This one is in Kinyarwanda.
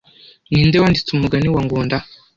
Ninde wanditse umugani wa Ngunda